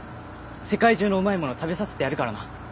世界中のうまいもの食べさせてやるからな！